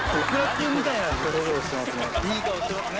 いい顔してますね。